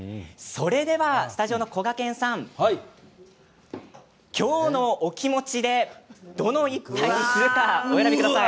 それではスタジオのこがけんさん今日の気持ちでどの１杯にするか選んでください。